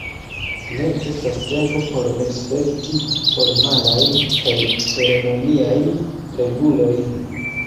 Ne estas tempo por respekti formalajn kaj ceremoniajn regulojn.